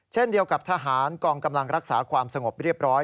เช่นเดียวกับทหารกองกำลังรักษาความสงบเรียบร้อย